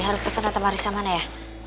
harus telfon tante marissa mana ya